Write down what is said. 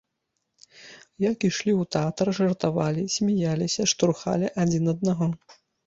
Як ішлі ў тэатр, жартавалі, смяяліся, штурхалі адзін аднаго.